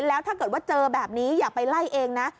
แล้วถ้าเกิดว่าเจอแบบนี้อย่าไปไล่เองนะ